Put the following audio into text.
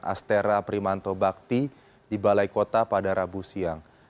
astera primanto bakti di balai kota pada rabu siang